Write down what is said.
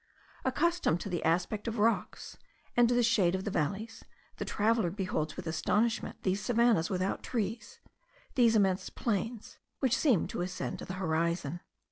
Accustomed to the aspect of rocks, and to the shade of valleys, the traveller beholds with astonishment these savannahs without trees, these immense plains, which seem to ascend to the horizon.